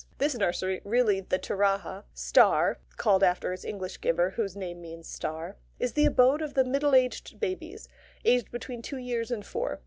This nursery, really the Taraha (Star, called after its English giver, whose name means "star") is the abode of the middle aged babies, aged between two years and four.